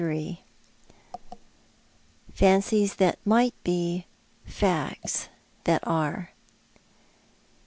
"fancies that might be, facts that are."